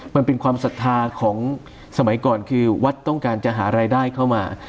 มันเป็นความศรัทธาของสมัยก่อนคือวัดต้องการจะหารายได้เข้ามา